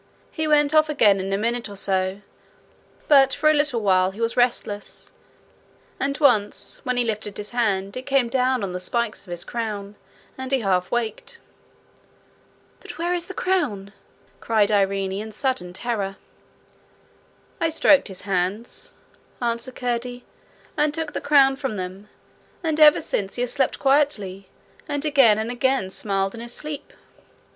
He went off again in a minute or so; but for a little while he was restless, and once when he lifted his hand it came down on the spikes of his crown, and he half waked.' 'But where is the crown?' cried Irene, in sudden terror. 'I stroked his hands,' answered Curdie, 'and took the crown from them; and ever since he has slept quietly, and again and again smiled in his sleep.'